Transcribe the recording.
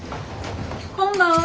こんばんは。